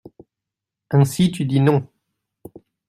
Ainsi tu dis non ?…